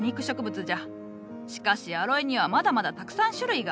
しかしアロエにはまだまだたくさん種類がある。